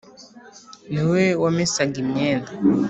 ni we wamesaga imyenda